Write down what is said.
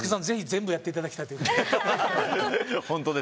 ぜひ全部やっていただきたい。